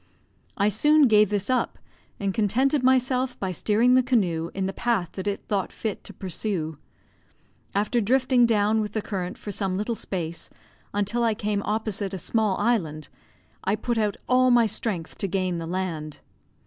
I soon gave this up, and contented myself by steering the canoe in the path that it thought fit to pursue. After drifting down with the current for some little space, until I came opposite a small island, I put out all my strength to gain the land.